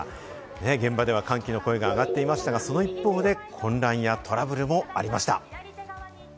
現場では歓喜の声が上がっていましたが、その一方で混乱やトラブルもありました。